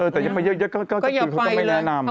แต่ยังไม่เยอะก็ไม่แนะนำ